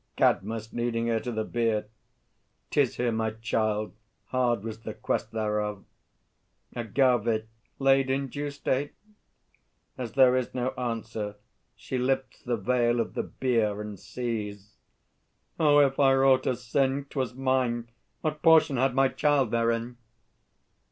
CADMUS (leading her to the bier). 'Tis here, my child. Hard was the quest thereof. AGAVE. Laid in due state? [As there is no answer, she lifts the veil of the bier, and sees. Oh, if I wrought a sin, 'Twas mine! What portion had my child therein?